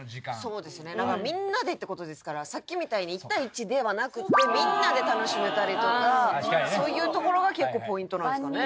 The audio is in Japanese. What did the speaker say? そうですねだからみんなでってことですからさっきみたいに１対１ではなくてみんなで楽しめたりとかそういうところが結構ポイントなんですかね。